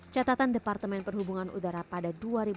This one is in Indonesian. catatan departemen perhubungan udara pada dua ribu dua puluh